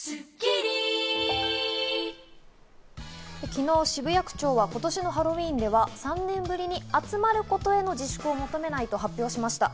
昨日、渋谷区長は今年のハロウィーンでは３年ぶりに集まることへの自粛を求めないと発表しました。